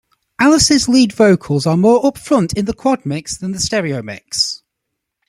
Alice's lead vocals are more upfront in the quad mix than the stereo mix.